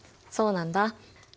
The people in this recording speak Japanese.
そうなんだ。